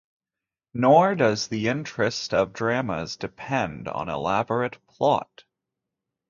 Nor does the interest of dramas depend on elaborate plot.